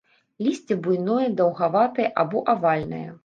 Лісце буйное даўгаватае або авальнае.